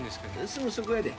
すぐそこやで。